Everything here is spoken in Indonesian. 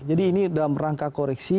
jadi ini dalam rangka koreksi